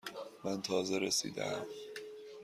من تازه رسیده ام.